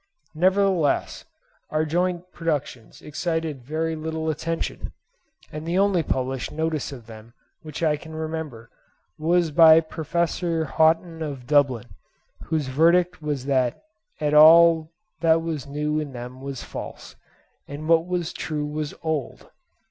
Nevertheless, our joint productions excited very little attention, and the only published notice of them which I can remember was by Professor Haughton of Dublin, whose verdict was that all that was new in them was false, and what was true was old.